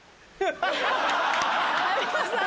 有吉さん